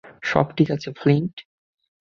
সব ঠিক আছে, ফ্লিন্ট।